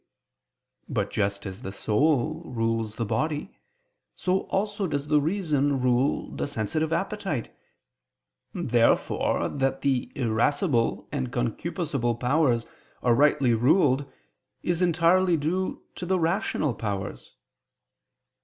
But just as the soul rules the body, so also does the reason rule the sensitive appetite. Therefore that the irascible and concupiscible powers are rightly ruled, is entirely due to the rational powers.